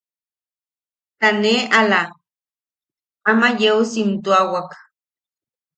Ta ne ala ama yeu siimtuawak.